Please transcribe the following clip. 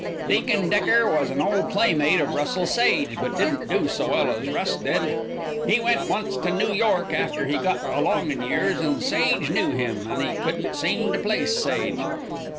Deacon Decker was an old playmate of Russell Sage, but didn't do so well as Russ did. He went once to New York after he got along in years, and Sage knew him, but he couldn't seem to place Sage.